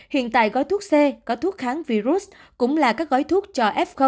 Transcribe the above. hiện tại gói thuốc c có thuốc kháng virus cũng là các gói thuốc cho f